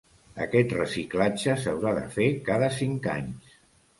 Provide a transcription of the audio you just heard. Aquest reciclatge s'haurà de fer cada cinc anys.